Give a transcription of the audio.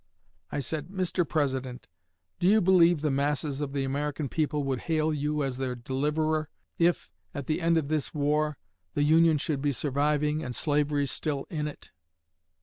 I said: 'Mr. President, do you believe the masses of the American people would hail you as their deliverer if, at the end of this war, the Union should be surviving and slavery still in it?'